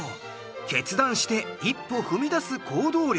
決断して一歩踏み出す行動力。